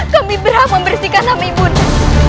kami berhak membersihkan nama ibunda